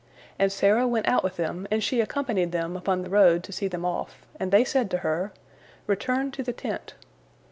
And Sarah went out with them, and she accompanied them upon the road to see them off, and they said to her, "Return to the tent."